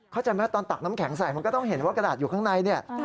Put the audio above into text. เข้าใจไหมตอนตักน้ำแข็งใส่มันก็ต้องเห็นว่ากระดาษอยู่ข้างในเนี่ย